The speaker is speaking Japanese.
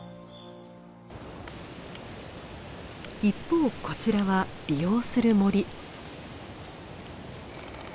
一方こちらは利用する森。